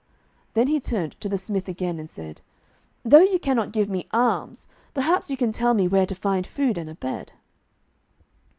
Then he turned to the smith again and said, 'Though you cannot give me arms, perhaps you can tell me where to find food and a bed.'